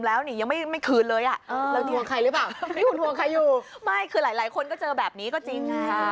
ไม่คือหลายคนก็เจอแบบนี้ก็จริง